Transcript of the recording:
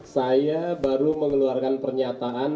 saya baru mengeluarkan pernyataan